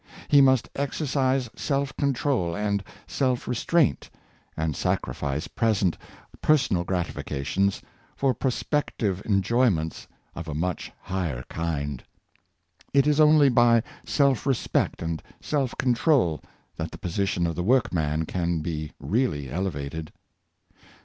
He must exercise self control and self restraint, and sacrifice present per sonal gratifications for prospective enjoyments of a much higher kind. It is only by self respect and self control that the position of the workman can be really " elevated.